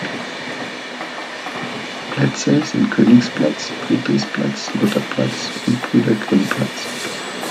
Plätze sind Königsplatz, Friedrichsplatz, Lutherplatz und Brüder-Grimm-Platz.